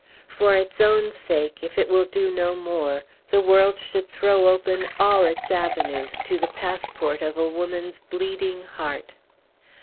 For its own sake, if it will do no more, the world should throw open all its avenues to the passport of a woman's bleeding heart.